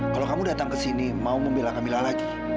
kalau kamu datang ke sini mau membela kamila lagi